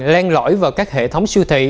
len lõi vào các hệ thống siêu thị